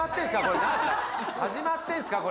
これ始まってんすか？